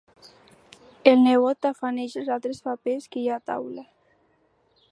El nebot tafaneja els altres papers que hi ha a taula.